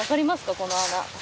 この穴。